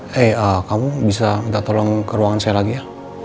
hei kamu bisa minta tolong ke ruangan saya lagi ya